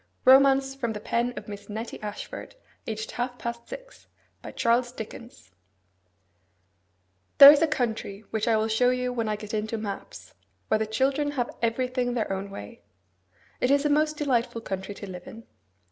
ROMANCE FROM THE PEN OF MISS NETTIE ASHFORD THERE is a country, which I will show you when I get into maps, where the children have everything their own way. It is a most delightful country to live in.